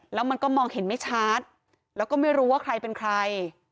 แล้วมันก็มองเห็นไม่ชัดแล้วก็ไม่รู้ว่าใครเป็นใคร